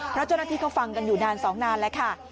เพราะเจ้าหน้าที่เขาฟังกันอยู่นานสองนานแล้วค่ะ